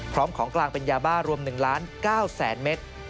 พร้อมของกลางเป็นยาบ้ารวม๑๙๐๐๐๐๐เมตร